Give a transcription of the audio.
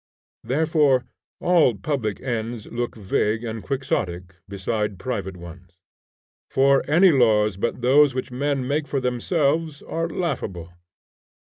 Therefore all public ends look vague and quixotic beside private ones. For any laws but those which men make for themselves, are laughable.